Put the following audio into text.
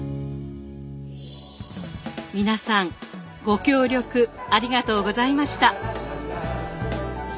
皆さんご協力ありがとうございました。